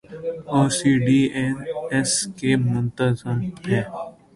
اورسی D A اس کی منتظم ہے۔